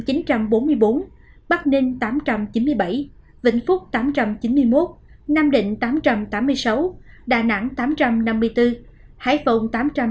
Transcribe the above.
hải dương một chín trăm bốn mươi bốn bắc ninh tám trăm chín mươi bảy vĩnh phúc tám trăm chín mươi một nam định tám trăm tám mươi sáu đà nẵng tám trăm năm mươi bốn hải phùng tám trăm ba mươi